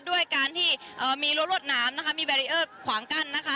ด้วยการที่เอ่อมีรถรวดน้ำนะคะมีแบรีเออร์ขวางกั้นนะคะ